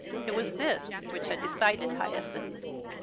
It was this which had decided Hyacinth.